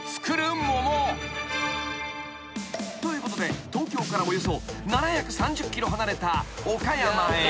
［ということで東京からおよそ７３０ｋｍ離れた岡山へ］